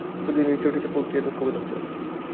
প্রতিদিনই চটিতে পৌঁছিয়া দুঃখ বোধ হইত।